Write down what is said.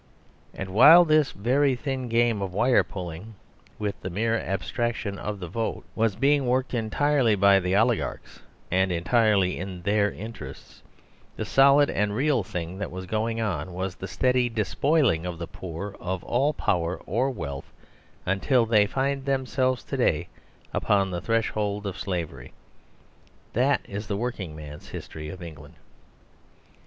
And while this very thin game of wire pulling with the mere abstraction of the vote was being worked entirely by the oligarchs and entirely in their interests, the solid and real thing that was going on was the steady despoiling of the poor of all power or wealth, until they find themselves to day upon the threshold of slavery. That is The Working Man's History of England.